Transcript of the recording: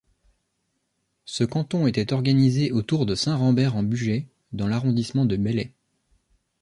Ce canton était organisé autour de Saint-Rambert-en-Bugey dans l'arrondissement de Belley.